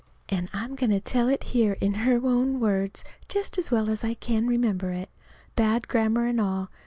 And I'm going to tell it here in her own words, just as well as I can remember it bad grammar and all.